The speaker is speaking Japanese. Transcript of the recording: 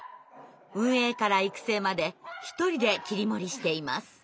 運営から育成まで一人で切り盛りしています。